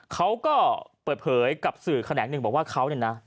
เขาก็เปิดเผยกับสื่อแขนงหนึ่งบอกว่าเขาเนี่ยนะ